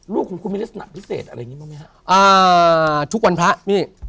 ลูกของคุณมีเลสนะพิเศษเป็นไหมครับ